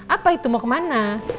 apa itu mau kemana